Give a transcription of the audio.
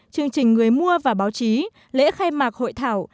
chương trình người mua và báo chí lễ khai mạc hội thảo